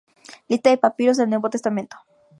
Lista de papiros del Nuevo Testamento